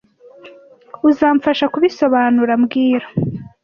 Uzamfasha kubisobanura mbwira